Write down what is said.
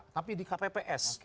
tapi di kpps